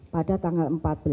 pada tanggal empat belas